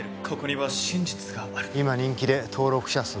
ここには真実がある今人気で登録者